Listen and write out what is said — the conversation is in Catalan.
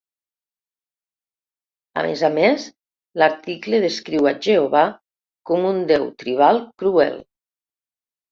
A més a més, l'article descriu a "Jehovà" com un deu tribal cruel.